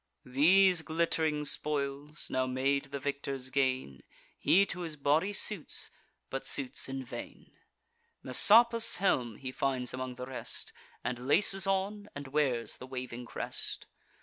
These glitt'ring spoils (now made the victor's gain) He to his body suits, but suits in vain: Messapus' helm he finds among the rest, And laces on, and wears the waving crest.